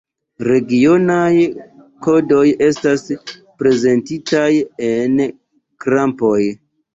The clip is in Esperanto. Regionaj kodoj estas prezentitaj en krampoj.